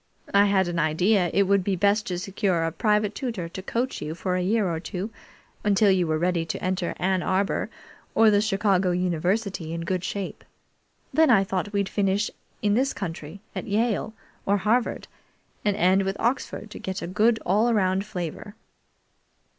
I had an idea it would be best to secure a private tutor to coach you for a year or two, until you were ready to enter Ann Arbor or the Chicago University in good shape. Then I thought we'd finish in this country at Yale or Harvard, and end with Oxford, to get a good, all round flavor."